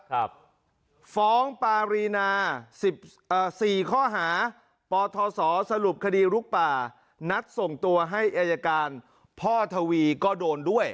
ครับฟองปารีนาสี่ข้อหาปศสรุปคดีลุกป่านัสส่งตัวให้อัยการพ่อทวีก็โดนด้วย